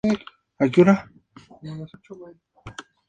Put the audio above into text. Hijo de Gestionado Benavente y Guadalupe Fernández Segura.